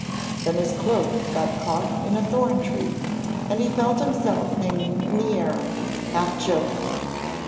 Then his cloak got caught in a thorn tree and he felt himself hanging in the air, half choking.